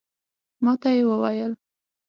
ماته یې وویل